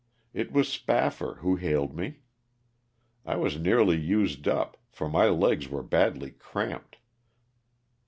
It was Spaffar who hailed me. I was nearly used up, for my legs were badly cramped.